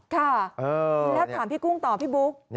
ค่ะแล้วถามพี่กุ้งต่อพี่บุ๊ค